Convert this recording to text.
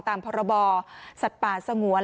ตามพระบอสัตว์ป่าสงวน